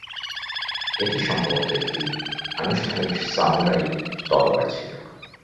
এটি সম্ভবত একটি আনুষ্ঠানিক সামুরাই তলোয়ার ছিল।